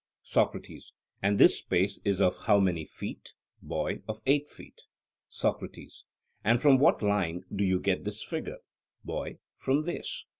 SOCRATES: And this space is of how many feet? BOY: Of eight feet. SOCRATES: And from what line do you get this figure? BOY: From this.